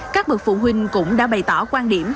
các bậc phụ huynh cũng đã bày tỏ quan điểm